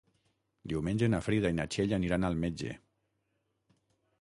Diumenge na Frida i na Txell aniran al metge.